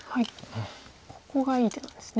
ここがいい手なんですね。